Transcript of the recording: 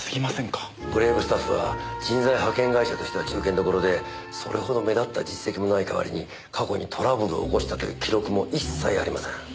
ブレイブスタッフは人材派遣会社としては中堅どころでそれほど目立った実績もないかわりに過去にトラブルを起こしたという記録も一切ありません。